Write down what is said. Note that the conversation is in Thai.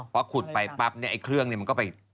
พอขุดไปปั๊บเนี่ยไอ้เครื่องเนี่ยมันก็ไป